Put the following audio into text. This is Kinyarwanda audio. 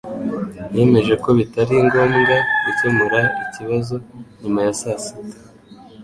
yemeje ko bitari ngombwa gukemura icyo kibazo nyuma ya saa sita